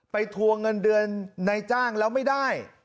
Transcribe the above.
ทวงเงินเดือนในจ้างแล้วไม่ได้